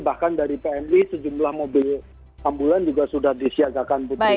bahkan dari tni sejumlah mobil ambulan juga sudah disiagakan